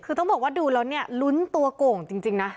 คือต้องบอกว่าดูแล้วเนี่ยลุ้นตัวโก่งจริงนะ